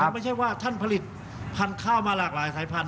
ไม่ใช่ว่าท่านผลิตพันธุ์ข้าวมาหลากหลายสายพันธ